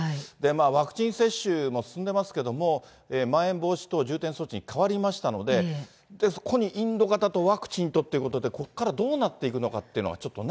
ワクチン接種も進んでますけれども、まん延防止等重点措置に変わりましたので、そこにインド型とワクチンとっていうことで、ここからどうなっていくのかというのがちょっとね。